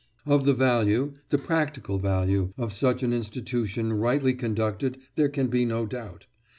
Of the value the practical value of such an institution rightly conducted there can be no doubt.